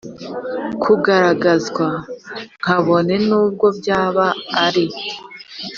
kugaragazwa kabone n ubwo byaba ari